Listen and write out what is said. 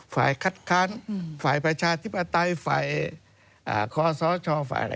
ฝ่ายคัดค้านฝ่ายประชาธิปไตยฝ่ายข้อซ้อช่อ